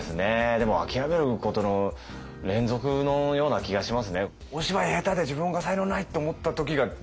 でもあきらめることの連続のような気がしますね。